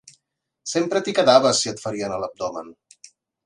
Sempre t'hi quedaves si et ferien a l'abdomen